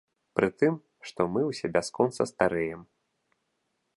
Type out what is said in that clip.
Пры тым, што мы ўсе бясконца старэем.